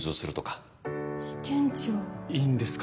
いいんですか？